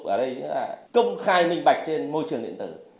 ở đây như là công khai minh bạch trên môi trường điện tử